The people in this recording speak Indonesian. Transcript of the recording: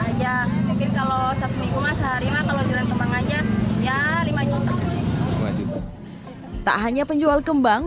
aja mungkin kalau satu minggu mas harimau jualan kembang aja ya lima juta tak hanya penjual kembang